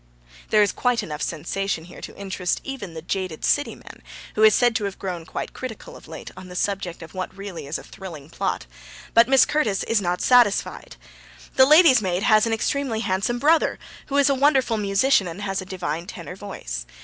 There is quite enough sensation here to interest even the jaded City man, who is said to have grown quite critical of late on the subject of what is really a thrilling plot. But Miss Curtis is not satisfied. The lady's maid has an extremely handsome brother, who is a wonderful musician, and has a divine tenor voice.